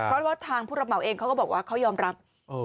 เพราะว่าทางผู้รับเหมาเองเขาก็บอกว่าเขายอมรับ